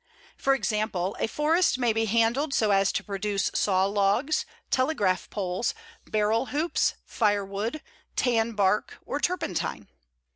For example, a forest may be handled so as to produce saw logs, telegraph poles, barrel hoops, firewood, tan bark, or turpentine.